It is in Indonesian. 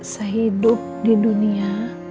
sehidup di dunia